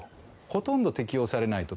ほとんど適用されないと。